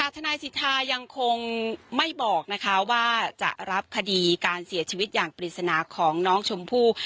ทนายสิทธายังคงไม่บอกนะคะว่าจะรับคดีการเสียชีวิตอย่างปริศนาของน้องชมพู่